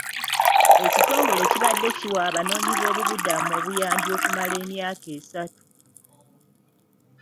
Ekitongole kibadde kiwa abanoonyi b'obubudamu obuyambi okumala emyaka esatu